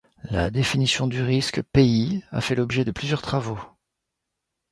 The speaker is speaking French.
La définition du risque pays a fait l’objet de plusieurs travaux.